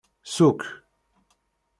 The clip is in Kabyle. Ṣukk.